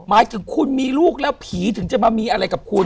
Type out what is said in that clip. หมายถึงคุณมีลูกแล้วผีถึงจะมามีอะไรกับคุณ